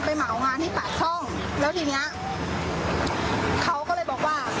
เหมางานที่ปากช่องแล้วทีเนี้ยเขาก็เลยบอกว่า